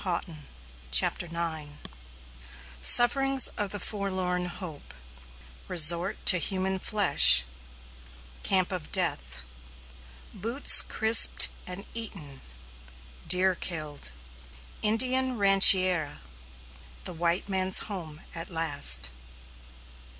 ] CHAPTER IX SUFFERINGS OF THE "FORLORN HOPE" RESORT TO HUMAN FLESH "CAMP OF DEATH" BOOTS CRISPED AND EATEN DEER KILLED INDIAN Rancheria THE "WHITE MAN'S HOME" AT LAST.